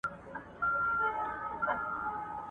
چي ماښام ته ډوډۍ رانیسي پرېمانه !.